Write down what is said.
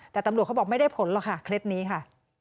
แต่ตำรวจเขาบอกไม่ได้ผลหรอกค่ะคลิปนี้ค่ะ